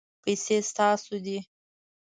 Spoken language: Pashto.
پیسې ستاسو دي